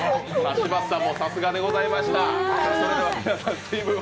柴田さんもさすがでございました。